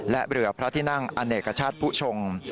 และเรือพระที่นั่งอเนกชาติผู้ชง